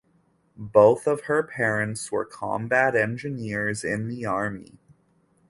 Both of her parents were combat engineers in the Army.